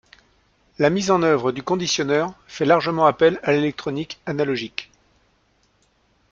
La mise en œuvre du conditionneur fait largement appel à l'électronique analogique.